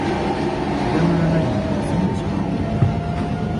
気が乗らないので休んでしまおう